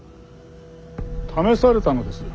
試されたのですよ